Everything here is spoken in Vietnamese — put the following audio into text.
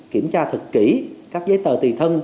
kiểm tra thật kỹ các giấy tờ tùy thân